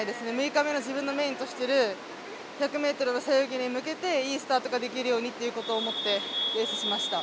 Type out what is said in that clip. ６日目の自分のメインとしてる１００ｍの背泳ぎに向けていいスタートができるようにっていうことを思ってレースしました。